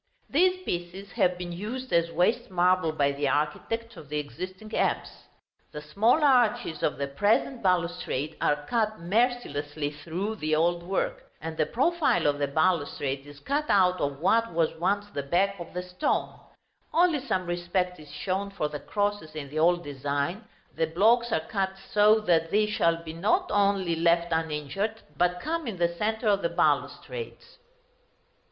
These pieces have been used as waste marble by the architect of the existing apse. The small arches of the present balustrade are cut mercilessly through the old work, and the profile of the balustrade is cut out of what was once the back of the stone; only some respect is shown for the crosses in the old design, the blocks are cut so that these shall be not only left uninjured, but come in the centre of the balustrades.